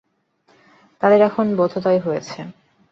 তাদের এখন বোধোদয় হয়েছে।